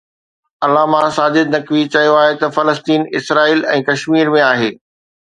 علامه ساجد نقوي چيو آهي ته فلسطين اسرائيل ۽ ڪشمير ۾ آهي